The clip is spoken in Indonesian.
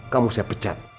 kamu saya pecat